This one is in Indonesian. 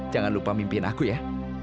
jangan lupa mimpin aku ya